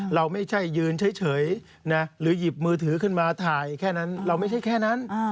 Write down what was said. เราไม่ใช่ยืนเฉยนะหรือหยิบมือถือขึ้นมาถ่ายแค่นั้นเราไม่ใช่แค่นั้น